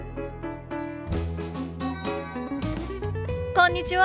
こんにちは。